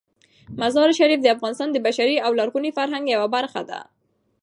مزارشریف د افغانستان د بشري او لرغوني فرهنګ یوه برخه ده.